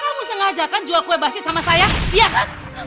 kamu sengaja kan jual kue basis sama saya iya kan